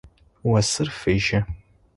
Осыр фыжьы.